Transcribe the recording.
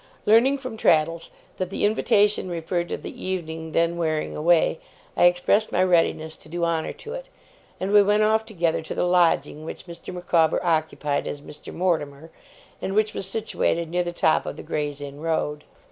Learning from Traddles that the invitation referred to the evening then wearing away, I expressed my readiness to do honour to it; and we went off together to the lodging which Mr. Micawber occupied as Mr. Mortimer, and which was situated near the top of the Gray's Inn Road.